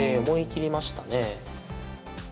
思い切りましたね。